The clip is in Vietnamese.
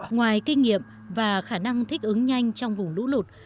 ngoài kinh nghiệm và khả năng thích ứng nhanh trong vùng lũ lụt